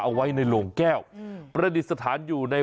เอาไว้ในโลงแก้วประดิษฐานอยู่ใน